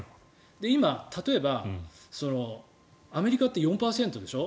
今、例えばアメリカって４％でしょ？